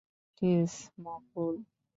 Please, Maqbool.